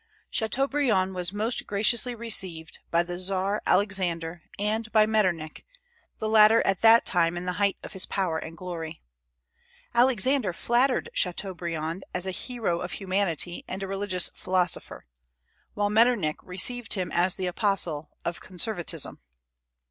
Chateaubriand was most graciously received by the Czar Alexander and by Metternich, the latter at that time in the height of his power and glory. Alexander flattered Chateaubriand as a hero of humanity and a religious philosopher; while Metternich received him as the apostle of conservatism.